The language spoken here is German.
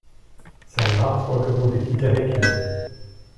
Sein Nachfolger wurde Dieter Hecking.